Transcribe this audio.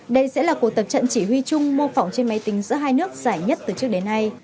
đây sẽ là cuộc tập trận chỉ huy chung mô phỏng trên máy tính giữa hai nước giải nhất từ trước đến nay